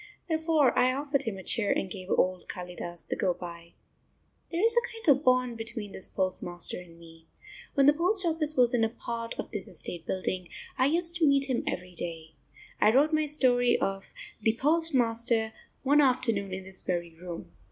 Therefore I offered him a chair and gave old Kalidas the go by. There is a kind of bond between this postmaster and me. When the post office was in a part of this estate building, I used to meet him every day. I wrote my story of "The Postmaster" one afternoon in this very room.